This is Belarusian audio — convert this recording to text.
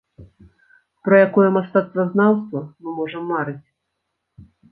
Пра якое мастацтвазнаўства мы можам марыць?